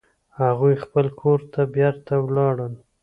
هغوی خپل کور ته بیرته ولاړل